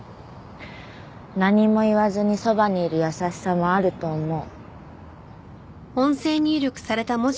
何も言わずにそばにいる優しさもあると思う。